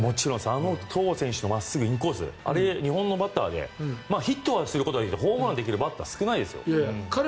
あの戸郷選手と真っすぐインコースあれ、日本のバッターでヒットにすることはできてもホームランにできるバッター少ないですよ。